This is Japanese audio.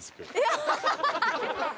ハハハハ！